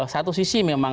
satu sisi memang